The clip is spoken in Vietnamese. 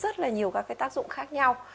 nó có rất rất là nhiều các tác dụng khác nhau